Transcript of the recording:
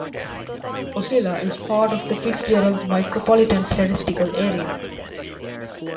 Ocilla is part of the Fitzgerald Micropolitan Statistical Area.